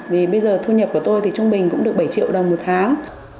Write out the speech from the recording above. vì bây giờ thu nhập của tôi thì trung bình cũng được bảy triệu đồng một tháng